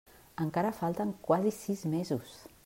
Encara falten quasi sis mesos!